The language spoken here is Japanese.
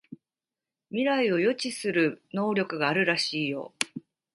未来を予知する能力があるらしいよ